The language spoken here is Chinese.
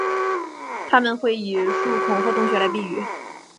它们会以树孔或洞穴来避雨。